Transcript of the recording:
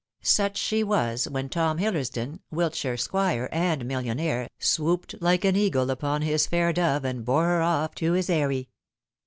Such she was when Tom Hillersdon, Wiltshire squire, and millionaire, swooped like an eagle upon this fair dove, and bore her f>f to his eyrie.